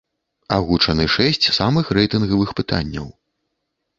Агучаны шэсць самых рэйтынгавых пытанняў.